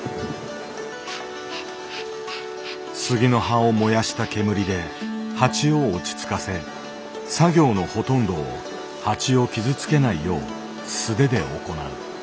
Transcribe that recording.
杉の葉を燃やした煙で蜂を落ち着かせ作業のほとんどを蜂を傷つけないよう素手で行う。